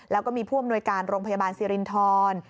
แล้วก็มีผู้อำนวยการโรงพยาบาลสิรินทร